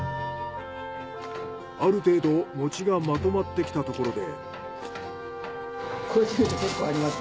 ある程度餅がまとまってきたところで。